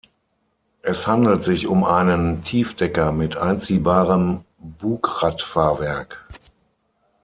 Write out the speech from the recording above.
Es handelt sich um einen Tiefdecker mit einziehbarem Bugradfahrwerk.